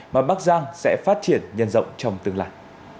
mà bắc giang sẽ phát triển nhân rộng trong tương lai